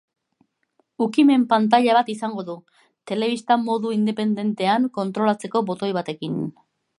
Ukimen pantaila bat izango du, telebista modu independentean kontrolatzeko botoi batekin.